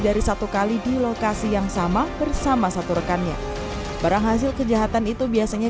dari satu kali di lokasi yang sama bersama satu rekannya barang hasil kejahatan itu biasanya